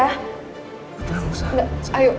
udah nggak usah